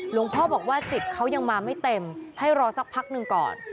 หลวงพ่อบอกว่าจิตเขายังมาไม่เต็มให้รอสักพักหนึ่งก่อน